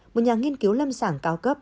một nhà nghiên cứu lâm sảng cao cấp